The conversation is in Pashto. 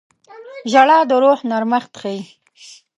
• ژړا د روح نرمښت ښيي.